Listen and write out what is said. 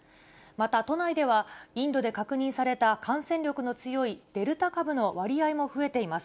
また都内では、インドで確認された感染力の強いデルタ株の割合も増えています。